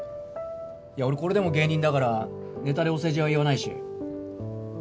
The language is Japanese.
俺これでも芸人だからネタでお世辞は言わないし。